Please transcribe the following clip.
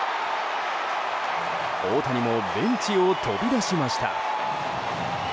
大谷もベンチを飛び出しました。